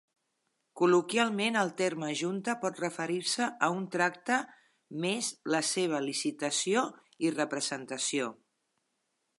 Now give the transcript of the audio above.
Col·loquialment, el terme "junta" pot referir-se a un tracte més la seva licitació i representació.